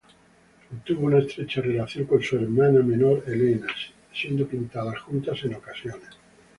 Mantuvo una estrecha relación con su hermana menor, Elena, siendo pintadas juntas en ocasiones.